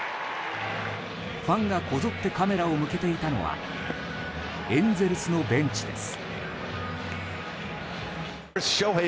ファンがこぞってカメラを向けていたのはエンゼルスのベンチです。